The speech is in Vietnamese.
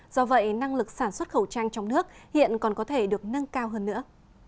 do vậy năng lực sản xuất khẩu trang trong nước hiện còn có thể được nâng cao hơn nữa